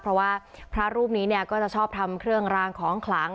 เพราะว่าพระรูปนี้เนี่ยก็จะชอบทำเครื่องรางของขลัง